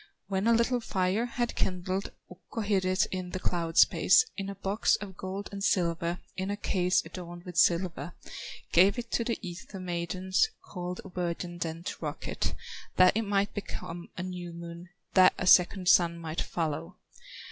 When a little fire had kindled, Ukko hid it in the cloud space, In a box of gold and silver, In a case adorned with silver, Gave it to the ether maidens, Called a virgin then to rock it, That it might become a new moon, That a second sun might follow.